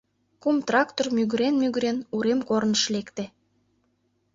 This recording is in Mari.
Кум трактор, мӱгырен-мӱгырен, урем корныш лекте.